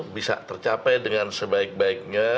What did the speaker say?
bisa tercapai dengan sebaik baiknya